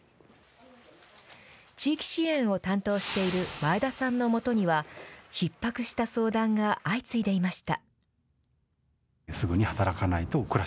地域支援を担当している前田さんのもとには、ひっ迫した相談が相次いでいました。